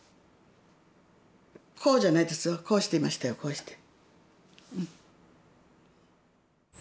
こうじゃないですよこうしていましたよこうして。